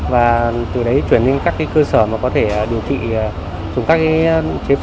và từ đấy chuyển lên các cơ sở mà có thể điều trị dùng các chế phẩm huyết thanh kháng nọc rắn đặc hiệu